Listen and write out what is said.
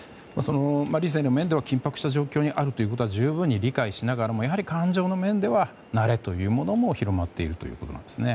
理性の面では緊迫した状況にあることは十分に理解しながらもやはり、感情の面では慣れも広まっているんですね。